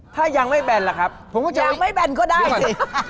ถ้ายังไม่แบนล่ะครับยังไม่แบนก็ได้สิ